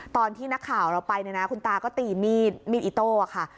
ตอนที่นักข่าวเราไปเนี่ยนะคุณตาก็ตีมีดมีดอิโต้ค่ะ